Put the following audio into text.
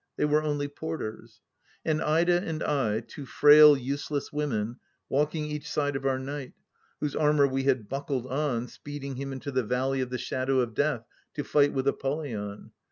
.. They were only porters I ... And Ida and I, two frail, useless women, walking each side of our knight, whose armour we had buckled on, speeding him into the Valley of the Shadow of Death to fight with Apollyon.